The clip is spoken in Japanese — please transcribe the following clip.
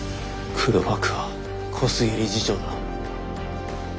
黒幕は小菅理事長だ。